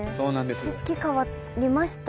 景色変わりました？